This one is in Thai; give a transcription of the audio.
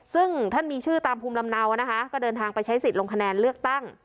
ซึ่งท่านมีชื่อตามภูมิลำเนานะคะก็เดินทางไปใช้สิทธิ์ลงคะแนนเลือกตั้ง